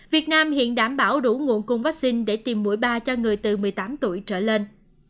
việt nam hiện đảm bảo đủ nguồn cung vaccine để tiêm mũi ba cho người từ một mươi tám tuổi trở lên